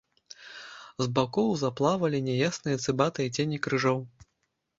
З бакоў заплавалі няясныя цыбатыя цені крыжоў.